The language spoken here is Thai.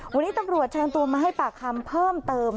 วันนี้ตำรวจเชิญตัวมาให้ปากคำเพิ่มเติม